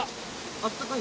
あったかい？